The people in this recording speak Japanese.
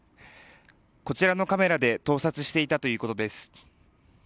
こちらのカメラで盗撮していたということです。